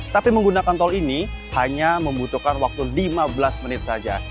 tapi menggunakan tol ini hanya membutuhkan waktu lima belas menit saja